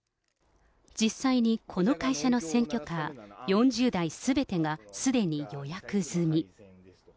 実際にこの会社の選挙カー、４０台すべてがすでに予約済み。